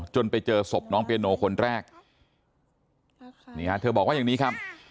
ไปเจอศพน้องเปียโนคนแรกนี่ฮะเธอบอกว่าอย่างนี้ครับ